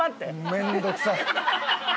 めんどくさい。